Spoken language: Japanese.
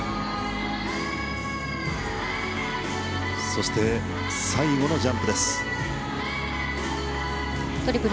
そして、最後のジャンプ。